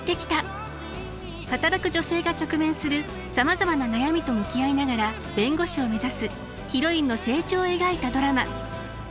働く女性が直面するさまざまな悩みと向き合いながら弁護士を目指すヒロインの成長を描いたドラマ。